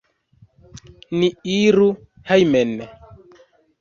Ni iru hejmen!